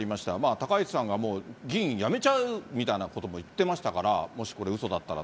高市さんがもう議員辞めちゃうみたいなことも言ってましたから、もしこれうそだったら。